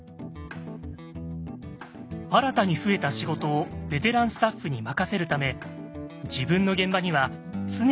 新たに増えた仕事をベテランスタッフに任せるため自分の現場には常に新人がつくことに。